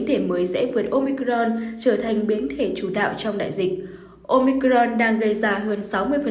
thể mới dễ vượt omicron trở thành biến thể chủ đạo trong đại dịch omicron đang gây ra hơn sáu mươi